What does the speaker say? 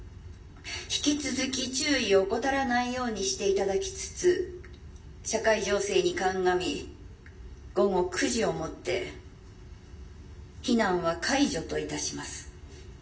引き続き注意を怠らないようにしていただきつつ社会情勢に鑑み午後９時をもって避難は解除といたします」。